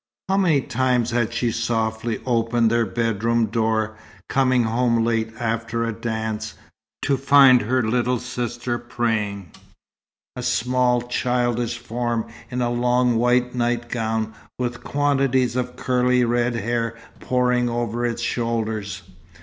How many times had she softly opened their bedroom door, coming home late after a dance, to find her little sister praying, a small, childish form in a long white nightgown, with quantities of curly red hair pouring over its shoulders!